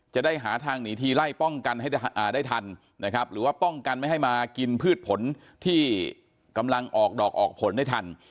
จะได้หาทางหนีทีไล่ป้องกันให้ได้ทันนะครับหรือว่าป้องกันไม่ให้มากินพืชผลที่กำลังออกดอกออกผลได้ทัน